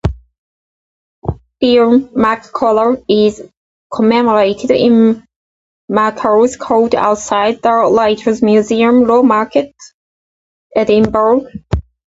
Fionn Mac Colla is commemorated in Makars' Court, outside The Writers' Museum, Lawnmarket, Edinburgh.